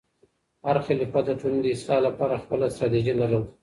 هر خلیفه د ټولنې د اصلاح لپاره خپله ستراتیژي لرله.